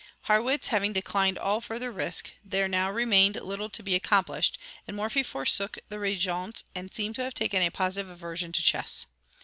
Harrwitz having declined all further risk, there now remained little to be accomplished, and Morphy forsook the Régence and seemed to have taken a positive aversion to chess.